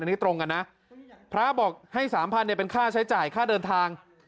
อันนี้ตรงกันนะพระบอกให้๓๐๐เนี่ยเป็นค่าใช้จ่ายค่าเดินทาง